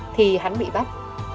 thì hắn bị bắt